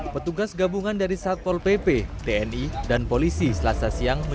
petugas gabungan dari satpol pp tni dan polisi selasa siang